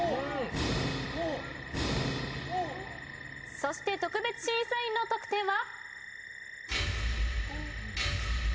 そして特別審査員の得点は？